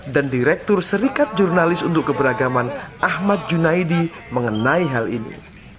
dan direktur serikat jurnalis untuk keberagaman ahmad junaidi mengenai hal ini